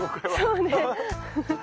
そうね。